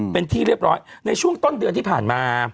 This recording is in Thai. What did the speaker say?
เป็นที่เรียบร้อยในช่วงต้นเดือนที่ผ่านมา